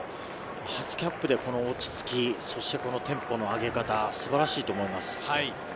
初キャップでこの落ち着き、このテンポの上げ方、素晴らしいと思います。